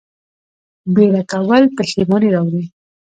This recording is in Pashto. بیړه کول پښیماني راوړي